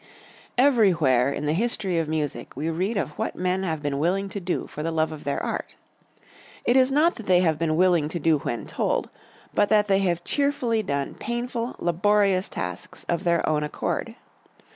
Everywhere in the history of music we read of what men have been willing to do for the love of their art. It is not that they have been willing to do when told; but that they have cheerfully done painful, laborious tasks of their own accord.